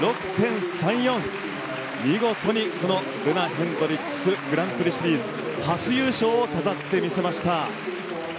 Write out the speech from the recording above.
見事にルナ・ヘンドリックスグランプリシリーズ初優勝を飾って見せました。